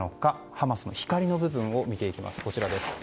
ハマスの光の部分を見ていきます。